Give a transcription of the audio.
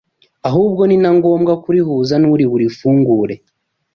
ahubwo ni na ngombwa kurihuza n’uri burifungure